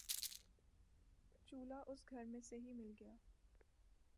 چولہا اس گھر میں سے ہی مل گیا